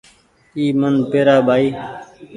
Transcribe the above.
اي من پيرآ ٻآئي